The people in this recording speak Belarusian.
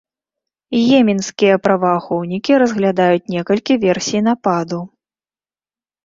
Йеменскія праваахоўнікі разглядаюць некалькі версій нападу.